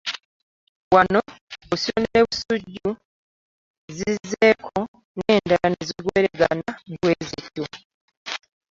Wano Busiro ne Busujju zizzeeko n'endala ne zigoberegana bw'ezityo